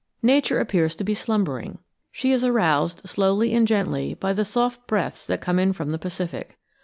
Nature appears to be slumbering. She is aroused slowly and gently by the soft breaths that come in from the Pacific.